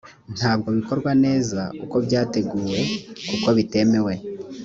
ntabwo bikorwa neza uko byateguwe kuko bitemewe